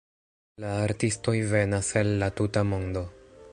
La artistoj venas el la tuta mondo.